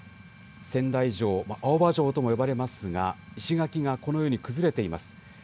仙台城、青葉城とも呼ばれますが石垣がこのように崩れています。